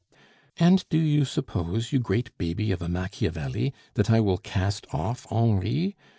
"And do you suppose, you great baby of a Machiavelli, that I will cast off Henri?